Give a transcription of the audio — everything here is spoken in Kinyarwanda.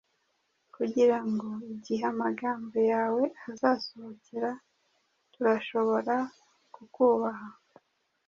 kugira ngo, igihe amagambo yawe azasohokera, turashobora kukwubaha.